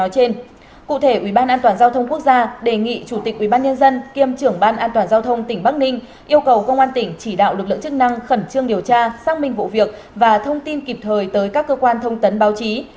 chủ tịch ubnd kiêm trưởng ban an toàn giao thông tỉnh bắc ninh yêu cầu công an tỉnh chỉ đạo lực lượng chức năng khẩn trương điều tra xác minh vụ việc và thông tin kịp thời tới các cơ quan thông tấn báo chí